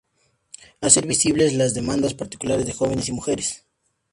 Hacer visibles las demandas particulares de jóvenes y mujeres.